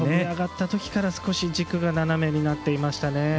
上がったときから少し軸が斜めになっていましたね。